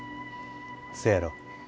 せやろ。